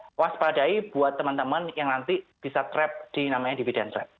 mewaspadai buat teman teman yang nanti bisa trap di namanya dividen trap